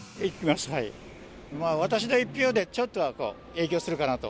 私の一票でちょっとは影響するかなと。